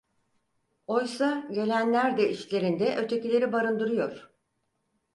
Oysa gelenler de içlerinde “ötekileri” barındırıyor.